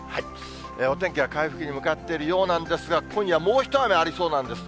お天気は回復に向かっているようなんですが、今夜、もう一雨ありそうなんです。